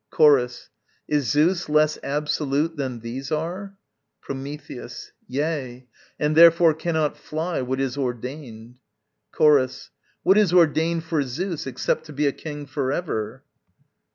Chorus. Is Zeus less absolute than these are? Prometheus. Yea, And therefore cannot fly what is ordained. Chorus. What is ordained for Zeus, except to be A king for ever?